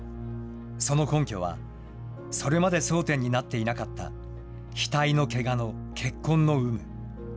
その根拠は、それまで争点になっていなかった額のけがの血痕の有無。